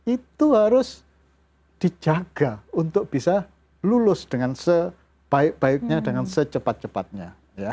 itu harus dijaga untuk bisa lulus dengan sebaik baiknya dengan secepat cepatnya